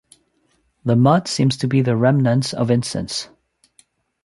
The mud seems to be remnants of incense.